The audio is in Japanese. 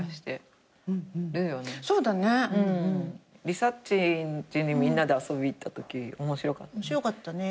理佐っちんちにみんなで遊びに行ったとき面白かったね。